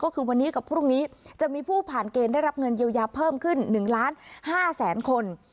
ก็คือวันนี้กับพรุ่งนี้จะมีผู้ผ่านเกณฑ์ได้รับเงินเยียวยาเพิ่มขึ้น๑ล้าน๕แสนคน